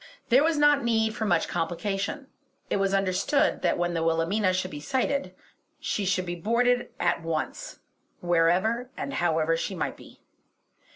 There was not need for much complication; it was understood that when the Wilhelmina should be sighted she should be boarded at once, wherever or however she might be.